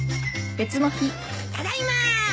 ただいま。